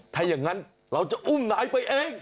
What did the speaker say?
ถ้าอย่างนั้นเราจะอุ้มนายไปเอง